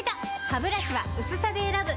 ハブラシは薄さで選ぶ！